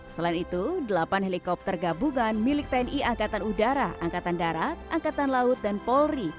selain itu delapan helikopter gabungan milik tni angkatan udara angkatan darat angkatan laut dan polri